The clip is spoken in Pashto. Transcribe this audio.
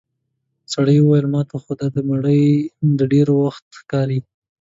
سړي وويل: ماته خو دا مړی د ډېر وخت ښکاري.